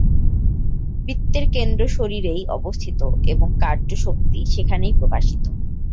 বৃত্তের কেন্দ্র শরীরেই অবস্থিত এবং কার্য-শক্তি সেখানেই প্রকাশিত।